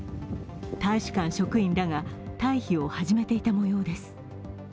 大使館職員らが退避を始めていたもようです。